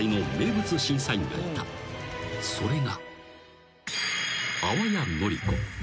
［それが］